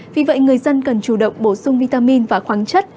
vì vậy người dân cần chủ động bổ sung vitamin và khoáng chất